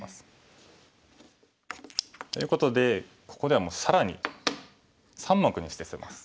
ということでここでは更に３目にして捨てます。